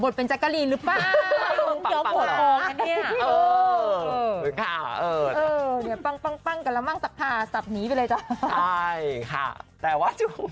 บทเป็นนักข่าว